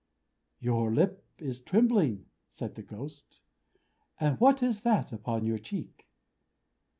"Your lip is trembling," said the Ghost. "And what is that upon your cheek?"